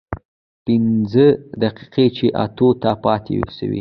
پينځه دقيقې چې اتو ته پاتې سوې.